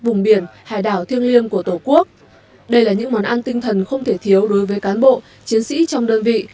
vùng biển hải đảo thiêng liêng của tổ quốc đây là những món ăn tinh thần không thể thiếu đối với cán bộ chiến sĩ trong đơn vị